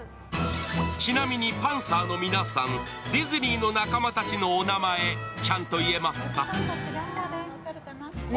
ちなみにパンサーの皆さん、ディズニーの仲間たちのお名前、ちゃんと言えますか？